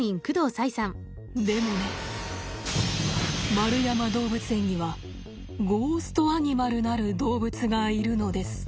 円山動物園にはゴーストアニマルなる動物がいるのです。